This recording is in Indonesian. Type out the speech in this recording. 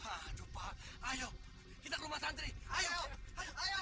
suruh penduduk desa akan menghukum rumah kita